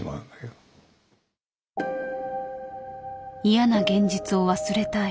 嫌な現実を忘れたい。